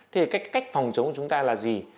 thế thì cách phòng chống của chúng ta là gì